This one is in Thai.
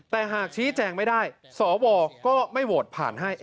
แต่หากชี้แจงไม่ได้สวก็ไม่โหวตผ่านให้